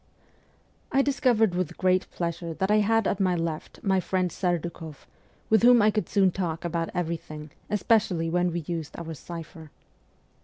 I discovered with great pleasure that I had at my left my friend Serdukoff, with whom I could soon talk about everything, especially when we used our cipher.